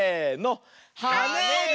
「はねる」！